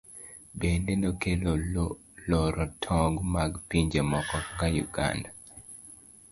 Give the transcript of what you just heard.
Bende nokelo loro tong' mag pinje moko kaka Uganda.